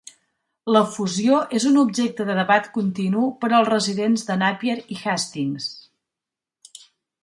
La fusió és un objecte de debat continu per als residents de Napier i Hastings.